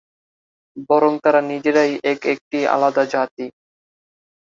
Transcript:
বরং তারা নিজেরাই এক একটি আলাদা জাতি।